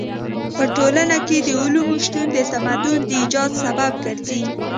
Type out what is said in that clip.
په ټولنه کې د علومو شتون د تمدن د ايجاد سبب ګرځي.